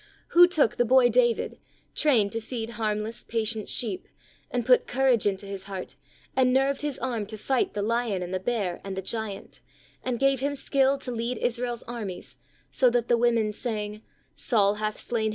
Who took the boy David, trained to feed harmless, patient sheep, and put courage into his heart, and nerved his arm to fight the lion and the bear and the giant, and gave him skill to lead Israel's armies, so that the women sang: "Saul hath slain SPIRITUAL LEADERSHIP.